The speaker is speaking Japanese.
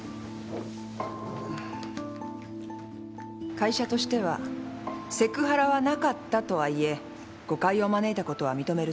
会社としてはセクハラはなかったとはいえ誤解を招いたことは認めると。